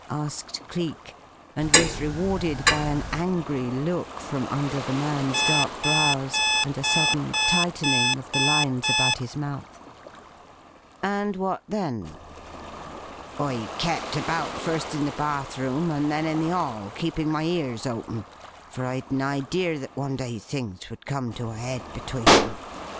asked Cleek, and was rewarded by an angry look from under the man's dark brows and a sudden tightening of the lines about his mouth. "And what then?" "I kept about, first in the bathroom, and then in the 'all, keeping my ears open, for I'd an idea that one day things would come to a 'ead between 'em.